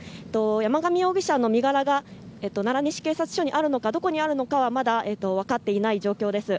山上容疑者の身柄が奈良西警察署にあるのかどこにあるのかはまだ分かっていない状況です。